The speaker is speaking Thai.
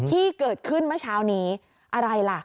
ที่เกิดขึ้นเมื่อเช้านี้อะไรล่ะ